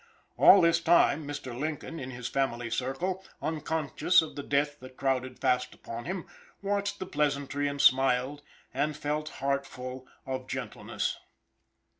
All this time, Mr. Lincoln, in his family circle, unconscious of the death that crowded fast upon him, watched the pleasantry and smiled and felt heartful of gentleness.